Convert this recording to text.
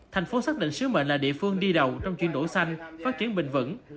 thành phố xác định sứ mệnh là địa phương đi đầu trong chuyển đổi xanh phát triển bình vững